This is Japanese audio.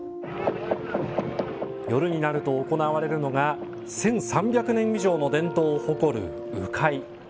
夜になると行われるのが１３００年以上の伝統を誇る鵜飼い。